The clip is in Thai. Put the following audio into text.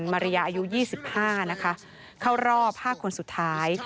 มาริยาอายุ๒๕นะคะเข้ารอบ๕คนสุดท้าย